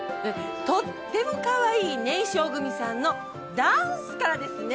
とってもかわいい年少組さんのダンスからですね！